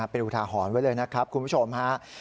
เป็นอุทาหรณ์ไว้เลยนะครับคุณผู้ชมฮะ